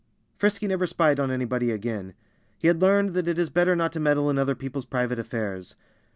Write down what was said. Frisky never spied on anybody again. He had learned that it is better not to meddle in other people's private affairs.